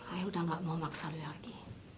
aku udah gak mau maksa kamu lagi